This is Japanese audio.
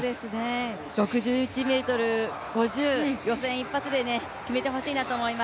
６１ｍ５０、予選一発で決めてほしいなと思います。